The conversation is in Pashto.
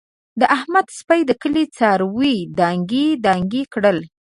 د احمد سپي د کلي څاروي دانګې دانګې کړل.